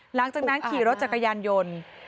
หลังจากนั้นขี่รถจักรยานยนต์